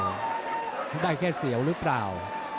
มันได้แค่เสียวหรือเปล่า